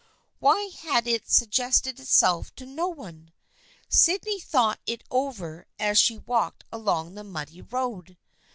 Why had it suggested itself to no one ? Sydney thought it over as she walked along the muddy road.